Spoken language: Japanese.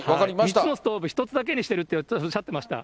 いつもストーブ１つだけにしてるっておっしゃってました。